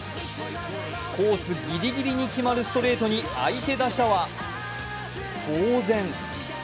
コースギリギリに決まるストレートに相手打者はぼう然。